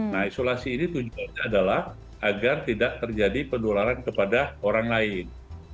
nah isolasi ini tujuannya adalah agar tidak terjadi penularan kepada orang lain